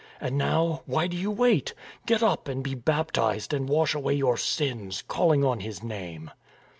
And now, why do you wait? Get up and be baptized and wash away your sins, calling on His name.'